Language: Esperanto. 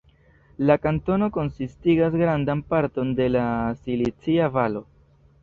La kantono konsistigas grandan parton de la Silicia Valo.